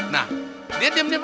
nah dia diam diam aja